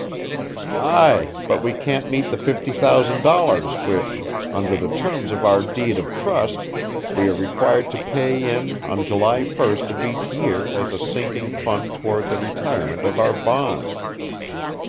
"Aye, but we can't meet the fifty thousand dollars which, under the terms of our deed of trust, we are required to pay in on July first of each year as a sinking fund toward the retirement of our bonds.